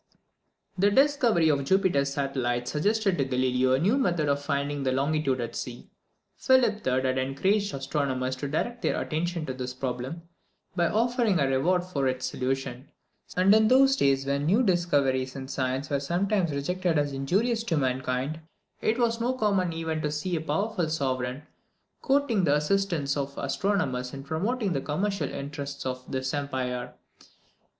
The discovery of Jupiter's satellites suggested to Galileo a new method of finding the longitude at sea. Philip III. had encouraged astronomers to direct their attention to this problem, by offering a reward for its solution; and in those days, when new discoveries in science were sometimes rejected as injurious to mankind, it was no common event to see a powerful sovereign courting the assistance of astronomers in promoting the commercial interests of his empire.